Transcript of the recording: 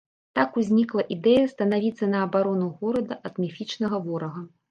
Так узнікла ідэя станавіцца на абарону горада ад міфічнага ворага.